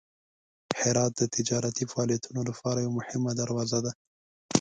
هرات د تجارتي فعالیتونو لپاره یوه مهمه دروازه ده.